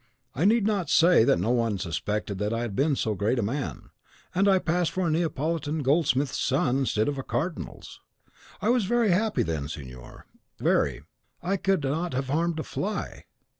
I need not say that no one suspected that I had been so great a man, and I passed for a Neapolitan goldsmith's son instead of a cardinal's. I was very happy then, signor, very, I could not have harmed a fly!